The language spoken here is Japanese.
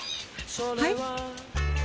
はい？